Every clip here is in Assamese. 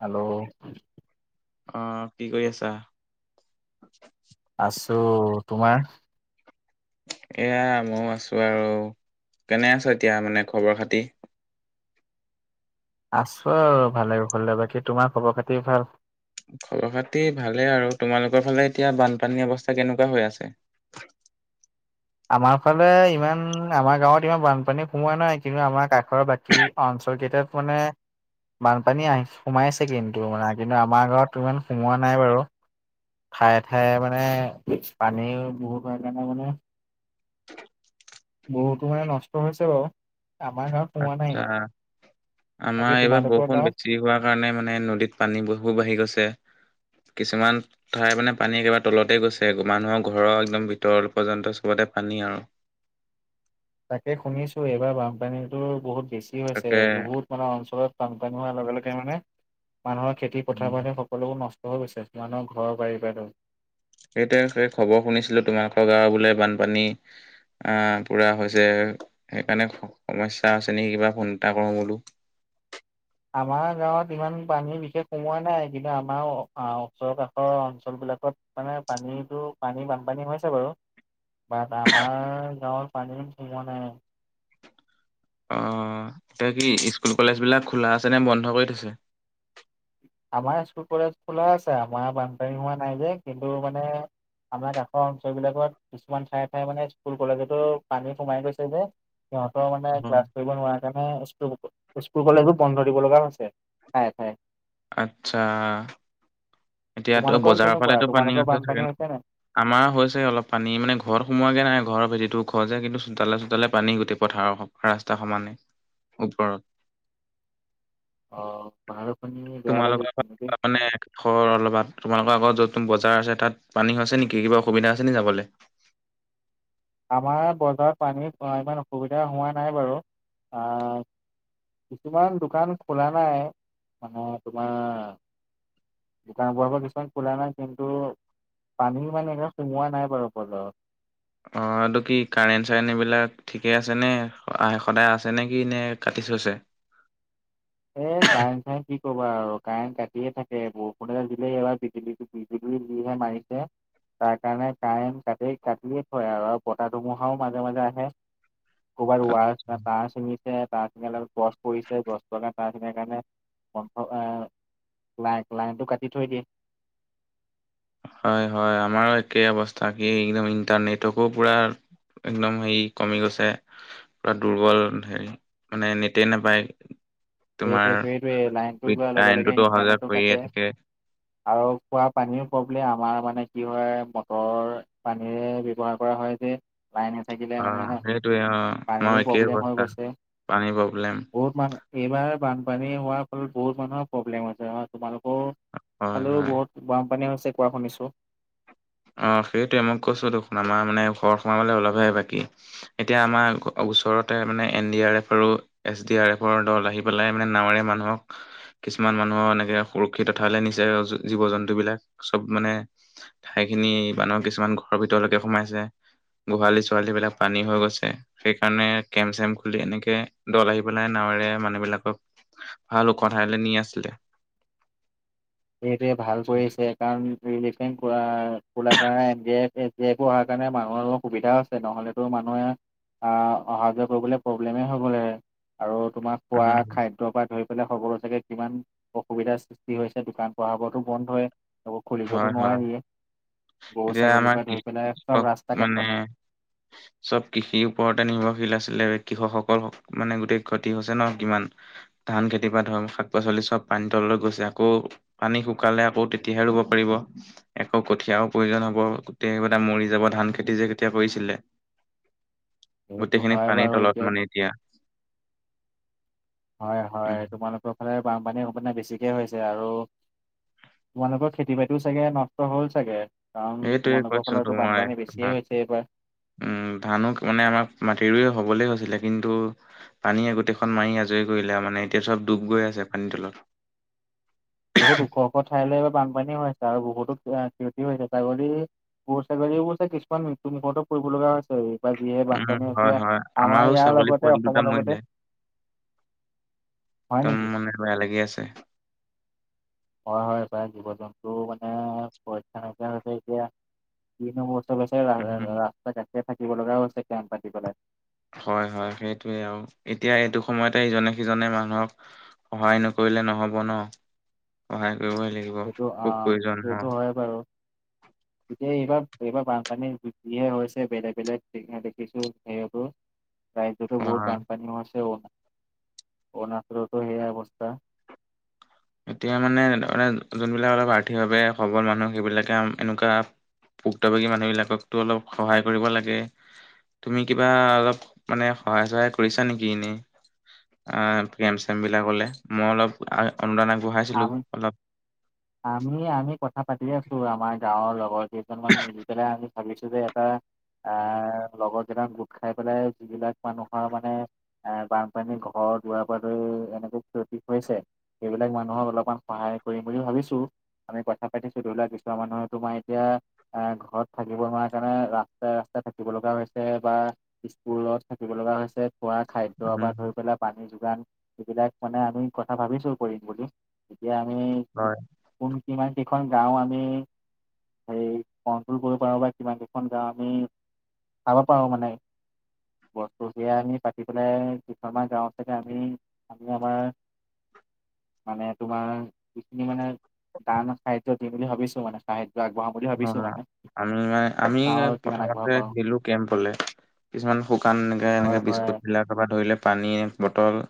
হেল্ল'। অ কি কৰি আছা? আছো, তোমাৰ? এয়া ময়ো আছো আৰু কেনে আছা, এতিয়া মানে খবৰ খাতি? আছো আৰু ভালে কৌশলে, বাকী তোমাৰ খবৰ খাতি ভাল? খবৰ খাতি ভালে আৰু তোমালোকৰ ফালে এতিয়া বানপানী অৱস্থা কেনেকুৱা হৈ আছে? আমাৰ ফালে ইমান আমাৰ গাঁৱত ইমান বানপানী সোমোৱা নাই। কিন্তু আমাৰ কাষৰ বাকী অঞ্চল কেইটাত মানে বানপানী আহি সোমাইছে কিন্তু মানে কিন্তু আমাৰ গাঁৱত ইমান সোমোৱা নাই বাৰু। ঠায়ে ঠায়ে মানে পানী বহু [unintelligible] মানে বহুতো মানে নষ্ট হৈছে বাও। আত্চ্ছা। বাকী আমাৰ এইবাৰ তোমালোকৰ বৰষুণ গাঁৱত বেছ- টি হোৱাৰ কাৰণে মানে নদীত পানী বহু বাঢ়ি গৈছে। কিছুমান ঠাই মানে পানী একেবাৰে তলতে গৈছে গ, মানুহৰ ঘৰৰ একদম ভিতৰ পৰ্যন্ত চবতে পানী আৰু। তাকে শুনিছো এইবাৰ বানপানীতো বহুত বেছি হৈছে তাকে বহুত মান অঞ্চলত বানপানী হোৱাৰ লগে লগে মানে মানুহৰ খেতি উম, পথাৰ মানে সক- সকলোবোৰ নষ্ট হৈ গৈছে মানুহৰ ঘৰৰ বাৰি পাই চ- সেইটোৱে হে খবৰ শুনিছিলো তোমালোকৰ গাঁৱ বোলে বানপানী আ পুৰা হৈছে সেইকাৰণে সমস্যা আছে নেকি কিবা, ফোন এটা কৰো বোলো। আমাৰ গাঁৱত ইমান পানী বিশেষ সোমোৱা নাই। কিন্তু আমাৰ ওচৰৰ কাষৰ অঞ্চলবিলাকত মানে পানীতো পানী বানপানী হৈছে বাৰু। বাট আমাৰ গাঁৱত পানী সোমোৱা নাই। অ এতিয়া কি স্কুল কলেজ বিলাক খোলা আছে নে বন্ধ কৰি থৈছে? আমাৰ স্কুল কলেজ খোলা আছে, আমাৰ বানপানী হোৱা নাই যে কিন্তু মানে আমাৰ দেশ অঞ্চলবিলাকত কিছুমান ঠায়ে ঠাইে মানে স্কুল-কলেজতো পানী সোমাই গৈছে যে সিহঁতৰ মানে ক্লাছ অ'। কৰিব নোৱাই। কানে স্কুল গোপ স্কুল-কলেজো বন্ধ দিব লগা হৈছে ঠায়ে ঠায়ে। আচ্ছা, এতিয়াতো তোমালোকৰ বজাৰ কেনেকুৱা ফালেতো পানী তোমালোকৰ আছে বানপানী চাগে ন? হৈছে নাই আমাৰ হৈছে অলপ পানী মানে ঘৰত সোমোৱাগে নাই, ঘৰৰ ভেটিটো ওখ যে কিন্তু চোতালে চোতালে পানী গোটেই পথাৰৰ খ- ৰাস্তা সমানে ওপৰত। অ কথাটো শুনি বেয়া লাগিল তোমালোকৰ [unintelligible] কিন্তু দেই তাপানে? বৰ অলবাদ তোমালোকৰ আগত য'ত টন বজাৰ আছে তাত পানী হৈছে নেকি কিবা অসুবিধা আছে নি যাবলে? আমাৰ বজাৰত পানী ইমান অসুবিধা হোৱা নাই বাৰু। আ কিছুমান দোকান খোলা নাই মানে তোমা- দোকান পোহাবৰ খোলা নাই কিন্তু পানী মানে একে সোমোৱা নাই বাৰু বজাৰত। অ এইটো কি কাৰেন চাৰেন এইবিলাক ঠিকে আছে নে, আই সদায় আছে নেকি, নে কাটি থৈছে? এ কাৰেণ্ট চাৰেন কি কবা আৰু কাৰেণ্ট কাটিয়ে থাকে বৰষুণে‌ দিলেই এবাৰ ভিকি ভিকি বিজুলী যিহে মাৰিছে। তাৰ কাৰণে কাৰেন্ট কাটি কাটিয়ে থয় আৰু বতাহ ধুমুহাও মাজে মাজে আহে। ক'ৰবাত ওৱাৰ তা তাঁৰ ছিঙিছে তাঁৰ ছিঙাডাল গছ পৰিছে গছ লগা তাঁৰ ছিঙাকাৰেণে কমফ্ৰ এ লাইক লাইনটো কাটি থৈ দিয়ে। হয় হয় আমাৰো একে অৱস্থা থাকে ইণাম ইণ্টাৰনেটকো পুৰা একদম সেই কমি গৈছে। পুৰা দুৰ্বল হেৰি মানে নেটেই নাপায়। এই তোমাৰ ফেক্টৰীটোৱে লাইনটো উইথ যোৱাৰ লগে লগে কাৰেণ্টটোতো অহা যোৱা ইণ্টাৰনেটো কৰিয়ে কাটে। থাকে আৰু খোৱা পানীৰো প্ৰব্লেম, আমাৰ মানে কি হয় মটৰ- পানীৰে ব্যৱহাৰ কৰা হয় যে, কায়েন নাথাকিলে অ মানে হে সেইটোৱে অ আমাৰ পানীৰো একেই প্ৰব্লেম হৈ অৱস্থা অৱৎছে। পানী প্ৰব্লেম বহুত মানুহ এইবাৰ বানপানী হোৱাৰ ফলত বহুত মানুহৰ প্ৰব্লেম হৈছে হয় তোমালোকও- হয় সেফালেও হয় বহুত বানপানী হৈছে কোৱা শুনিছো। অঁ সেইটোৱে মই কৈছোটো, আমাৰ মানে ঘৰ সোমাবলৈ ওলপহে বাকী। এতিয়া আমাৰ ওচৰতে মানে এন ডি আৰ এফ আৰু- এছ ডি আৰ এফৰ দল আহি পেলাই মানে নাওঁৰীয়া মানুহক- কিছুমান মানুহৰ এনেকে সুৰক্ষিত ঠাইলে নিচে জীৱ জন্তু বিলাক চব মানে- ঠাই খিনি মানুহ কিছুমান ঘৰৰ ভিতৰলৈকে সোমাইছে। গোহালি ছোহালী বিলাক পানী হৈ গৈছে। সেইকাৰণে কেম্প চেম্প খুলি এনেকে দল আহি পেলাই নাৱৰে মানুহবিলাকক- ভাল ওখ ঠাইলৈ নি আছিলে। সেইটোৱে ভাল কৰিছে কাৰণ ৰিলেফেন কৰাৰ কোলা কাৰনে এন ডি আই এফে- যে এইবোৰ অহাৰ কাৰণে মানুহৰও সুবিধা হৈছে। নহ'লেতো মানুহে- আহ অহা যোৱা কৰিবলৈ প্ৰব্লেমেই হৈ গ'ল হলে, আৰু- তোমাৰ খোৱা উম খাদ্যৰ পা ধৰি পেলাই সকলো চাগে কিমান অসুবিধাৰ সৃষ্টি হৈছে। ছে দোকান পহাবোৰতো বন্ধ এই হব। হয় খুলিবতো হয় নোৱাৰিয়ে গৰু, এতিয়া ছাগলী আমাৰ পা ধৰি পেলাই কৃষক চব ৰাস্তা মানে কাষত। [unintelligible] চব কৃষিৰ ওপৰতে নিৰ্ভৰশীল আছিলে কৃষকসকল মানে গোটেই ক্ষতি হৈছে, ন কিমান। ধান খেতিপৰা ধৰ শাক পাচলি চব পানী তললৈ গৈছে আকৌ, পানী শুকালে আকৌ তেতিয়াহে ৰুব- পাৰিব। একৌ কঠীয়াও প্ৰয়োজন হব, গোটেই বিলাক মৰি যাব ধান খেতি যে কেতিয়া কৰিছিলে। সেইটো গোটেইখিনি হয় পানীৰ বাৰু তলত মানে এতিয়া। হয়, উম হয়, তোমালোকৰ ফালে বানপানীৰ অকমান বেছিকৈ হৈছে আৰু- তোমালোকৰ খেতি বাতিওঁ চাগে নষ্ট হ'ল চাগে। কাৰণ সেইটোয়ে তোমালোকৰ কৈছো ফালে টো তোমাৰ বানপানী বেছিয়ে তোমাক হৈছে এইবাৰ। উম, ধানো ক মানে আমাৰ মাটি‌ ৰুই হবলৈ হৈছিলে কিন্তু, পানীয়ে গোটেইখন মাৰি আজৰি কৰিলে আৰু মানে এতিয়া চব ডুব গৈ আছে পানী তলত। বহুত ওখ, ওখ, ঠাইলৈ এইবাৰ বানপানী হৈছে আৰু বহুতো ক্ষতি হৈছে ছাগলী- গৰু ছাগলীবোৰ যে কিছুমান মৃত্যু মুখতো পৰিব লগা হৈছে। বা যিহে উম বানপানী হয় হৈছে। হয় আমাৰ আমাৰো ইয়াৰ ছাগলী লগতে, অসমৰ লগতে- হয় দম‌ নেকি মানে বেয়া লাগি আছে। হয়, হয়, প্ৰায় জীৱ জন্তু মানে সুৰক্ষা নাইকিয়া হৈছে এতিয়া, কি নো মুঠ- চব হৈছে ৰা, ৰা, উম ৰাস্তা ঘাটে থাকিব লগাও হৈছে কেম পাতি পেলাই। হয়, হয়, সেইটোৱেই অঁ' এতিয়া এইটো সময়তে ইজনে সিজনে মানুহক- সহায় নকৰিলে নহব ন সহায় কৰিবই লাগিব সেইটো খুব আহ প্ৰয়োজন ন। সেইটো হয় বাৰু। [inaudible] এতিয়া এইবাৰ এইবাৰ বানপানী যিহে হৈছে বেলেগ বেলেগ দেখিছো সেইবোৰ- ৰাজ্যতো অ বহুত বানপানীও আছে বহুত অৰুনাচলতো সেইয়া অৱস্থা। এতিয়া মানে যোনবিলাক অলপ আৰ্থিকভাৱে সবল মানুহ সেইবিলাকে এনেকুৱা- ভক্তভোগী মানুহ বিলাককো অলপ সহায় কৰিব লাগে। তুমি কিবা অলপ মানে সহায় চহায় কৰিছা নেকি এনেই? আ প্ৰি এম চি এম বিলাকলে মই অলপ অনুদান আগবঢ়াইছিলো আমি অলপ আমি আমি কথা পাতি আছো আমাৰ গাওঁৰ লগৰ কেইজনমান মিলি পেলাই আমি ভাবিছো যে এটা আহ লগৰ কেইটা গোট খাই পেলাই যিবিলাক মানুহৰ মানে এ বানপানী ঘৰ দুৱাৰ পৰা ধৰি এনেকুৱা ক্ষতি হৈছে সেইবিলাক মান হক অলপমান সহায় কৰিম বুলি ভাবিছো। আমি কথা পাতিছো, ধৰি লোৱা কিছুমান মানুহৰ ‌তোমাৰ এতিয়া এ ঘৰত থাকিব নোৱাৰে কাৰণে ৰাস্তাই ৰাস্তাই থাকিব লগা হৈছে বা স্কুলত থাকিব লগা হৈছে। খোৱা খাদ্য উম পৰা ধৰি পেলাই পানী যোগান এইবিলাক মানে আমি কথা ভাবিছো কৰিম বুলি। এতিয়া আমি কি হয়। কোন কিমান কেইখন গাওঁ আমি হেৰি কণ্ট্ৰল কৰিব পাৰো বা কিমান কেইখন গাওঁ আমি চাব পাৰো মানে বস্তু সেইয়া আমি পাতি পেলাই কেইখনমান গাঁৱত চাগে আমি আমি আমাৰ মানে তোমাৰ যিখিনি মানে দান সাহায্য দিম বুলি ভাবিছো মানে সাহায্য আগবঢ়াম। বুলি অ ভাবিছোঁ মানে আমি মানে আমি চাওঁ আৰু কিমান আগবঢ়াব প্ৰথমতে পাৰোঁ দিলো কেম্পলে। কিছুমান শুকান এনেকে হয় এনেকে হয় বিস্কুটবিলাক পৰা ধৰিলে পানীয়ে বটল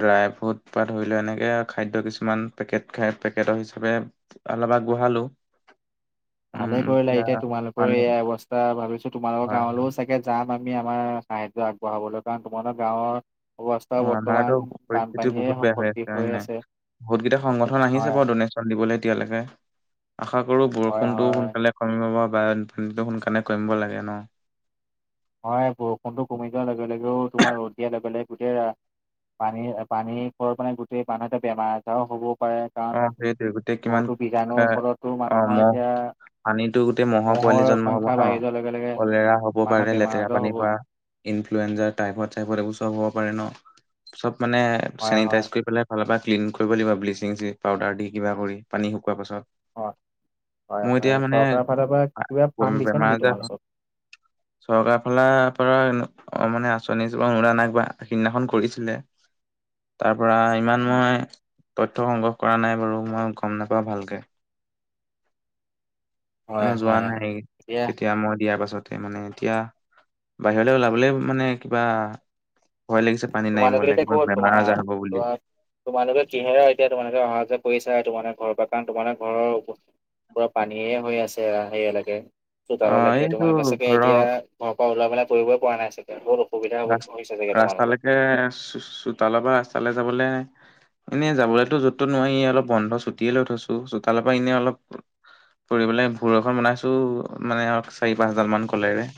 ড্ৰাই ফ্ৰুট বা ধৰি লোৱা এনেকে খাদ্য কিছুমান পেকেট খাই পেকেটৰ হিচাপে অলপ আগবঢ়ালোঁ। ভালে কৰিলা এতিয়া তোমালোকৰ পানী এইয়া অৱস্থা ভাবিছো তোমালোকৰ হয় হয় গাঁৱলৈও চাগে যাম আমি আমাৰ সাহায্য আগবঢ়াবলৈ কাৰণ তোমালোক গাঁৱৰ অ অৱস্থা আমাৰতো বৰ্তমান পৰিস্থিতি বানপানীয়ে সম ভৰ্তি হৈ আছে। বহুত কেইটা সংগঠন আহিছে হয় বাৰু ড'নেশ্যন দিবলে এতিয়ালেকে, আশা কৰো হয় বৰষুণটো হয় সোনকালে কমিব বানপানীটো সোনকালে কমিব লাগে ন। হয় বৰষুণটো কমি যোৱাৰ লগে লগেও তোমাৰ ৰ'দ দিয়াৰ লগে লগে গোটেই ৰা পানী পানী হল মানে গোটেই বানতে বেমাৰ আজাৰ হ'ব। পাৰে কাৰণ অ সেইটোৱে গোটেই কিমান বহুতো বীজাণুৰ এ ফলতো অ মানুহৰ মহ এতিয়া পানীতো গোটেই মহ'ৰ পোৱালি জন্ম হব সংখ্যা ন বাঢ়ি যোৱাৰ লগে লগে কলেৰা হব মানুহৰ পাৰে বেমাৰ লেতেৰা আজাৰ পানীৰ হ'ব পৰা। ইনফ্লয়েঞ্জাৰ টাইফইত চাইফইত এইবোৰ চব হ'ব পাৰে ন, চব মানে হয় চেনিটাইজ হয় কৰি পেলাই ফালৰ পৰা ক্লিন কৰিব লাগিব ব্লিচিং পাউডাৰ দি কিবা কৰি পানী শুকোৱাৰ হয় হয় পাছত। মোৰ এতিয়া হয় মানে চৰকাৰৰ ফালৰ পৰা কিবা ফাণ্ড দিছে বেমাৰ নেকি আজাৰ হয় তোমালোকক চৰকাৰ ফালৰপৰা অ মানে আঁচনি [unintelligible] সেইদিনাখন কৰিছিলে। তাৰপৰা ইমান মই তথ্য সংগ্ৰহ কৰা নাই বাৰু মই গম নাপাওঁ ভালকে। হয় মই যোৱা হয় নাই এতিয়া তেতিয়া মই দিয়াৰ পাছতে মানে এতিয়া বাহিৰলে ওলাবলেই মানে কিবা ভয় লাগিছে। পানীত তোমালোকে নামিবলে এতিয়া কিবা ক'ত বেমাৰ আজাৰ হ'ব বুলি। তোমাৰ তোমালোকে কিহেৰে এতিয়া তোমালোকে অহা যোৱা কৰিছা তোমালোকৰ ঘৰৰ পৰা কাৰণ তোমালোকৰ ঘৰৰ পুৰা পানীয়ে হৈ আছে সেইয়ালকে অ চোতাললেকে এইটো তোমালোকে চাগে এতিয়া ধৰক ঘৰ পৰা ওলোৱা মেলা কৰিবই পৰা নাই চাগে [unintelligible] ৰা হৈছে চাগে তোমালোকৰ ৰাস্তালেকে চোতালৰ পৰা ৰাস্তালে যাবলে এনেই যাবলেতো য'ত তত নোৱাৰি অলপ বন্ধ চুটিয়ে লৈ থৈছো চোতালৰ পৰা এনেই অলপ ফুৰিবলে ভোৰ এখন বনাইছোঁ মানে আৰু চাৰি পাঁচ দালমান কলেৰে।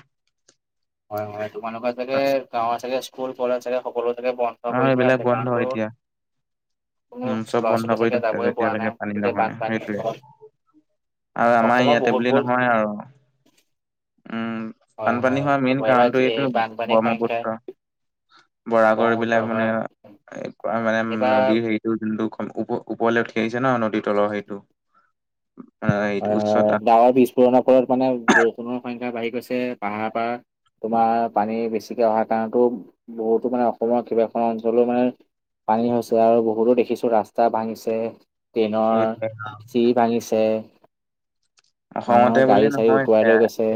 হয় হয় তোমালোকৰ চাগে গাঁৱৰ চাগে স্কুল কলেজ চাগে সকলো চাগে বন্ধ অ কৰি এইবিলাক থোৱাৰআছে বন্ধ কাৰণটো এতিয়া উম', চব বন্ধ কৰি থৈছে পৰা যেতিয়ালৈকে নাই পানী গোটেই নহয় বানপানী সেইটোয়ে। আৰু আমাৰ অসমৰ ইয়াতে বহুত বোলি বহুত নহয় আৰু উম'। হয় হয় বানপানী হোৱা মেইন তোমাৰ এইবাৰ কাৰণটো এই এইটো বানপানীৰ সংখ্যাই ব্ৰহ্মপুত্ৰ। বৰাকৰ ব্ৰহ্মপুত্ৰ এইবিলাক মানে হয় এ পুৰা মানে এইবাৰ নদীৰ হেৰিত নৈ নৈখন ওপ ওপৰলৈ উঠি আহিছে ন? নদীৰ তলৰ সেইটো। এইটো হয়' উচ্চতা হয়', ডাৱৰ বিস্ফোৰণৰ ফলত মানে বৰষুণৰ সংখ্য বাঢ়ি গৈছে পাহাৰ পৰা। তোমাৰ পানী বেছিকে অহাৰ কাৰণটো বহুতো মানে অসমৰ কেইবাখন অঞ্চলও মানে পানী হৈছে আৰু বহুতো দেখিছোঁ ৰাস্তা ভাঙিছে ট্ৰেইনৰ সেইটোৱে চিৰি ভাঙিছে অসমতে মানুহৰ গাড়ী বুলিয়ে - চাড়ী নহয় উতুৱাই এতিয়া লৈ গৈছে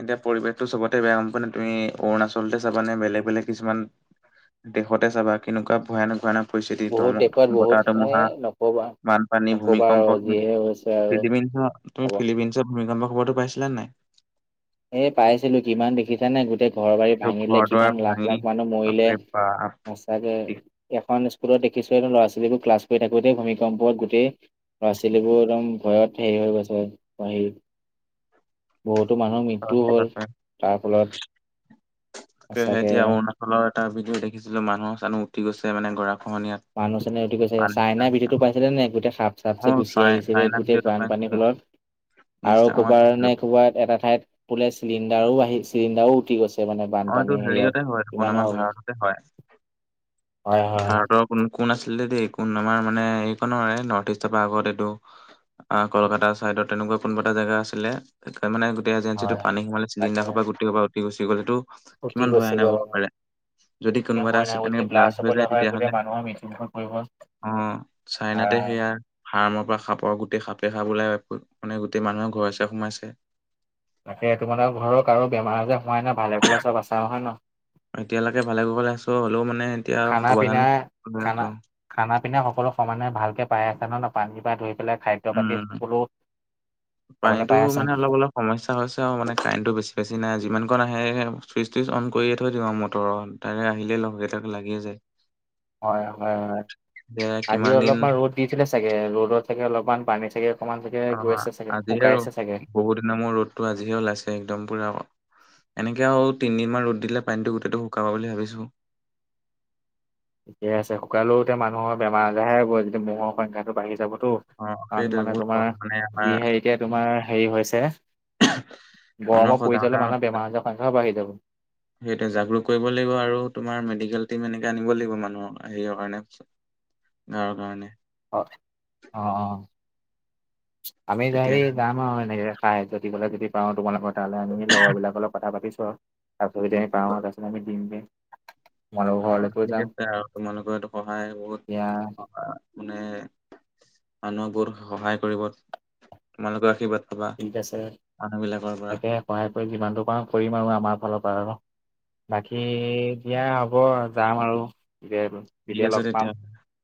এতিয়া পৰিৱেশটো চবতে বেয়া গম পোৱানে? তুমি অৰুণাচলতে চাবানে বেলেগ - বেলেগ কিছুমান দেশতে চাবা কেনেকুৱা ভয়ানক - ভয়ানক পৰিস্থিতি বহুত ধমক দেশত বহুত বতাহ- এ ধুমুহা, নকবা বানপানী, নকবা আৰু ভূমিকম্প যিহে হৈছে আৰু তুমি, [inaudible] তুমি হ'ব ফিলিপিনছত ভূমিকম্প খবৰটো পাইছিলানে নাই? এ, পাইছিলো কিমান দেখিছা নাই গোটেই ঘৰ -বাৰী এইটো ভাঙিলে, ঘৰ দুৱাৰ কিমান লাখ ভাঙি লাখ মানুহ মৰিলে, বাপৰে বাপ অ' তাকে, এখন স্কুলত দেখিছোঁ একদম ল'ৰা- ছোৱালীবোৰ ক্লাছ কৰি থাকোতেই ভূমিকম্পত গোটেই ল'ৰা -ছোৱালীবোৰ একদম ভয়ত হেৰি হৈ গৈছে, বাহিৰ বহুতো মানুহ মৃ ত্যু হ'ল তাৰ ফলত সঁচাকৈয়ে ফোনত এটা ভিডিঅ' দেখিছিলোঁ মানুহ - চানুহ উটি গৈছে মানে গৰাখহনীয়াত। মানুহ -চানুহ উটি গৈছে, চাইনা ভিডিঅ'টো পাইছিলা নাই গোটেই সাপ- চাপ যে অ' গুচি চাই আহিছিলে চাইনা গোটেই ভিডিঅ'টো পাইছিলো বানপানীৰ মই ফলত? আৰু ইনষ্টাগ্ৰামত কবাৰ পাইছিলো নে কবাত এটা ঠাইত বোলে চিলিণ্ডাৰো আহি চিলিণ্ডাৰো উটি গৈছে। ছে মানে অ' এইটো বানপানী হেৰীয়ত হেৰিয়তে হয় দেখোন আমাৰ কিমানৰ অব ভাৰততে হয়। ভাৰতৰ কোন কোন আছিলে দেই কোন আমাৰ মানে এইখনৰে নৰ্থ ইষ্টৰ পৰা আগত এইটো অ' কলকাতাৰ ছাইডত তেনেকুৱা কোনোবা এটা জেগা আছিলে তাৰ মানে গোটেই এজেঞ্চিটোত হয় পানী সোমালে তাকে চিলিণ্ডাৰ সোপা গোটেইসোপা উটি গুচি গ'ল। সেইটো উটি কিমান ভয়ানক গৈছেগৈ হ'ব পাৰে? যদি কিয় কোনোবা এটা হয় নাই চিলি এনে যদি ব্লাচ ব্লাষ্ট হৈ হ'বলৈ যায় হয় তেতিয়া হ'লে? গোটেই মানুহৰ মৃত্যুমুখত পৰিব অ' নোৱাৰা চাইনাতে হয়। সেয়া আ ফাৰ্মৰ পৰা সাপৰ গোটেই সাপে সাপ ওলাই মানে গোটেই মানুহে ঘৰে -চৰে সোমাইছে। তাকে, তোমালোকৰ ঘৰৰ কাৰো বেমাৰ -আজাৰ হোৱা নাই ভালে কুশলে চব আছা হয় নহয়? এতিয়ালৈকে ভালে কুশলে আছোঁ হ'লেও মানে এতিয়া আৰু খানা সাৱধান পিনা -সাৱধানে খানা আছোঁ। খানা -পিনা সকলো সমানে ভালকে পাই আছে ন? ন পানীৰ পৰা ধৰি পেলাই খাদ্য পাতি উম সকলো খাবলৈ পানীটো পাই আছা? মানে অলপ অলপ সমস্যা হৈছে আৰু মানে কাৰেণ্টটো বেছি বেছি নাই। যিমান কণ আহে চুইচ - টুইচ অন কৰিয়ে থৈ দিওঁ আৰু মটৰৰ। তাৰে আহিলে লগকেইটাক লাগিয়ে যায়। হয়', হয়', হয়' এতিয়া আজি কিমান দিন অলপমান ৰ'দ দিছিলে চাগে, ৰ'দত চাগে অলপমান পানী চাগে অকণমান অ' কোৱা? আজিহে ৰ'দ বহুত দিনৰ মোৰত ৰ'দটো আজিহে ওলাইছে একদম পুৰা এনেকে আৰু তিনিদিনমান ৰ'দ দিলে পানীটো গোটেইটো শুকাব বুলি ভাবিছোঁ। ঠিকে আছে, শুকালেও এতিয়া মানুহৰ বেমাৰ - আজাৰহে হ'ব যেতিয়া মহৰ সংখ্যাটো বাঢ়ি যাবটো। অ' কাৰণ সেইটোৱে মানে বহুত তোমাৰ কষ্ট মানে যি আমাৰ হে এতিয়া তোমাৰ হেৰি হৈছে মানুহক গৰমত পৰি সজাগতা যালে মানুহৰ বেমাৰ - আজাৰৰ সংখ্যাও বাঢ়ি যাব। সেইটোৱে জাগৰোক কৰিব লাগিব আৰু তোমাৰ মেডিকেল টিম এনেকে আনিব লাগিব মানুহক নিজৰ কাৰণে হৈছে। ঘৰৰ কাৰণে। হয়', অ' অ', আমি তেতিয়া হেৰি যাম আৰু এনেকে। পাই যদি বোলে যদি পাওঁ তোমালোকৰ তালে আনি লগৰবিলাকৰ লগত কথা পাতি চোৱা। তাৰপিছত যদি আমি পাওঁ তাৰপিছত আমি দিম দে। অ' ঠিক আছে, আৰু তোমালোকৰ এইটো সহায় এতিয়া বহুত মানে, মানুহক বহুত সহায় কৰিব, তোমালোকৰ আশীৰ্বাদ পাবা ঠিক আছে, মানুহ বিলাকৰ পৰা তাকে সহায় কৰি যিমানটো পাৰোঁ কৰিম আৰু আমাৰ ফালৰ পৰা আৰু। বাকী দিয়া হ'ব, যাম আৰু। [unintelligible] ঠিক কেতিয়া আছে লগ পাম তেতিয়া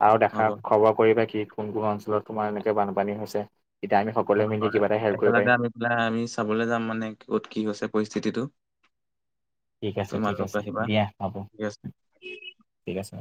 আৰু দেখা হ'ব খবৰ কৰিবা কি কোন কোন অঞ্চলত তোমাৰ এনেকে বানপানী হৈছে, তেতিয়া আমি সকলোৱে হয় মিলি হয় কিবা এটা হেল্প কৰিব পাৰিম। [unintelligible] আমি পেলাই আমি চাবলৈ যাম মানে ক'ত কি গৈছে পৰিস্থিতিটো। ঠিক আছে, ঠিক তোমালোক আছে, আহিবা দিয়া হ'ব। ঠিক আছে ঠিক আছে।